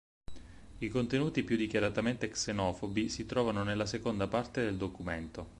I contenuti più dichiaratamente xenofobi si trovano nella seconda parte del documento.